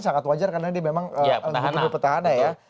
sangat wajar karena ini memang pentahana ya